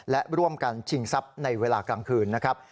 และร่วมกันชิงทรัพย์ในเวลากลางคืนนะครับ